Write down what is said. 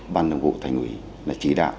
ban đồng vụ thành ủy là chỉ đạo